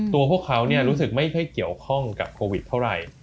ตัวพวกเขาเนี่ยรู้สึกไม่เคยเกี่ยวข้องกับโควิดเท่าไหร่